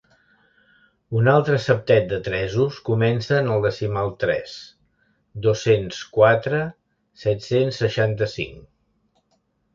Un altre septet de tresos comença en el decimal tres.dos-cents quatre.set-cents seixanta-cinc.